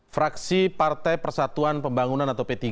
fraksi partai persatuan pembangunan atau p tiga